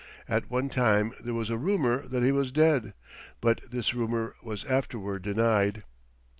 At one time there was a rumor that he was dead, but this rumor was afterward denied.